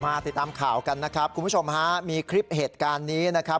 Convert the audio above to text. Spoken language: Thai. ติดตามข่าวกันนะครับคุณผู้ชมฮะมีคลิปเหตุการณ์นี้นะครับ